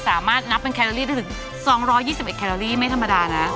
สามารถนับเป็นแคลอรี่ได้ถึง๒๒๑แคลอรี่ไม่ธรรมดานะ